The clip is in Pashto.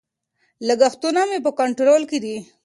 لګښتونه مې په کنټرول کې دي.